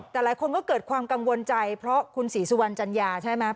แต่หลายคนก็เกิดความกังวลใจเพราะคุณศรีสุวรรณจัญญาใช่ไหม